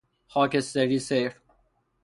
خاکستری سیر